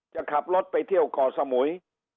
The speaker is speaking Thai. จะขับรถไปเที่ยวก่อสมุย